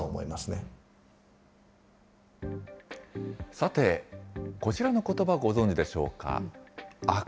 さて、こちらのことば、ご存じでしょうか。